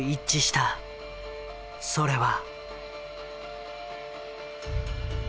それは。